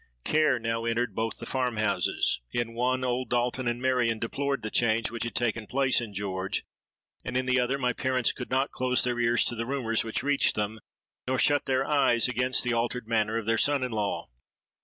Care now entered both the farm houses. In one, old Dalton and Marion deplored the change which had taken place in George; and in the other, my parents could not close their ears to the rumours which reached them, nor shut their eyes against the altered manner of their son in law.